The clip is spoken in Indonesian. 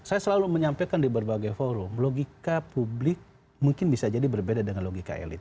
saya selalu menyampaikan di berbagai forum logika publik mungkin bisa jadi berbeda dengan logika elit